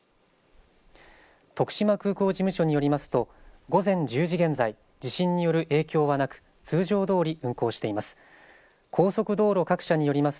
徳島空港事務所によりますと午前１０時現在地震による影響はなく通常どおり運航しています。